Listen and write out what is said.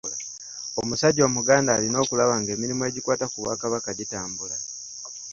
Omusajja omuganda alina okulaba ng'emirimu egikwata ku Bwakabaka gitambula.